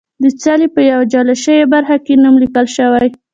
د څلي په یوه جلا شوې برخه کې نوم لیکل شوی.